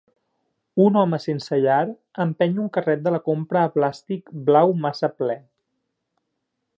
Un home sense llar empeny un carret de la compra de plàstic blau massa ple.